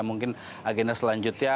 mungkin agenda selanjutnya